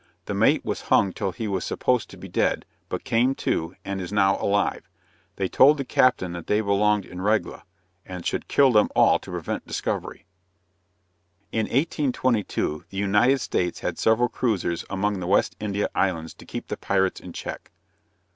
The mate was hung till he was supposed to be dead, but came to, and is now alive. They told the captain that they belonged in Regla, and should kill them all to prevent discovery. In 1822, the United States had several cruisers among the West India islands, to keep the pirates in check.